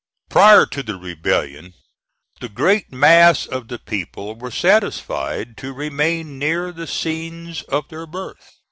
Prior to the rebellion the great mass of the people were satisfied to remain near the scenes of their birth.